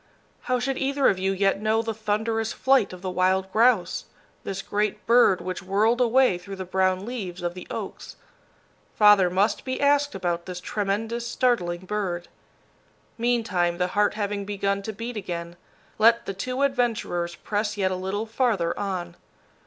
How should either of you yet know the thunderous flight of the wild grouse, this great bird which whirled away through the brown leaves of the oaks? Father must be asked about this tremendous, startling bird. Meantime, the heart having begun to beat again, let the two adventurers press yet a little farther on.